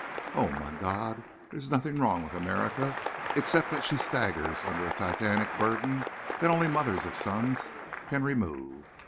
Oh, my God, there's nothing wrong with America except that she staggers under a Titanic burden that only mothers of sons can remove!...